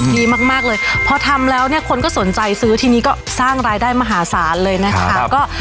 ดีมากเลยพอทำแล้วเนี่ยคนก็สนใจซื้อทีนี้ก็สร้างรายได้มหาศาลเลยนะคะ